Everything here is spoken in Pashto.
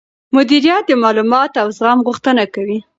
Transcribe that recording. مديريت د معلوماتو او زغم غوښتنه کوي.